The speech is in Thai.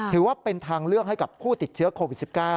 ถือว่าเป็นทางเลือกให้กับผู้ติดเชื้อโควิด๑๙